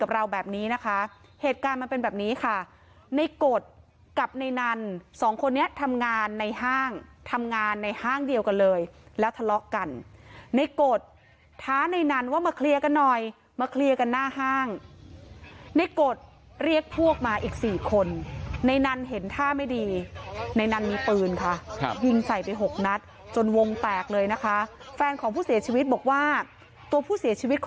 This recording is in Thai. เราแบบนี้นะคะเหตุการณ์มันเป็นแบบนี้ค่ะในกฎกับในนันสองคนนี้ทำงานในห้างทำงานในห้างเดียวกันเลยแล้วทะเลาะกันในกฎท้าในนันว่ามาเคลียร์กันหน่อยมาเคลียร์กันหน้าห้างในกฎเรียกพวกมาอีกสี่คนในนั้นเห็นท่าไม่ดีในนั้นมีปืนค่ะครับยิงใส่ไปหกนัดจนวงแตกเลยนะคะแฟนของผู้เสียชีวิตบอกว่าตัวผู้เสียชีวิตค